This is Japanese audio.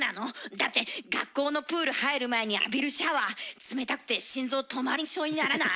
だって学校のプール入る前に浴びるシャワー冷たくて心臓止まりそうにならない？